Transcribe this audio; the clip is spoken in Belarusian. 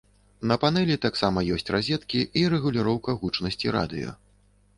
На панэлі таксама ёсць разеткі і рэгуліроўка гучнасці радыё.